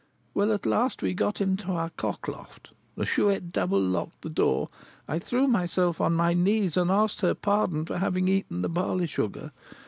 Well, at last we got up into our cock loft; the Chouette double locked the door; I threw myself on my knees, and asked her pardon for having eaten the barley sugar.